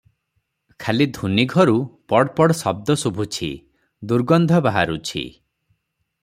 ଖାଲି ଧୂନି ଘରୁ ପଡ୍ ପଡ୍ ଶବ୍ଦ ଶୁଭୁଛି, ଦୁର୍ଗନ୍ଧ ବାହାରୁଛି ।